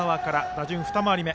打順、二回り目。